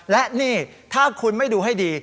และนี่ถ้าคุณไม่ดูให้ดี